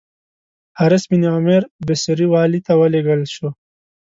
حارث بن عمیر بصري والي ته ولېږل شو.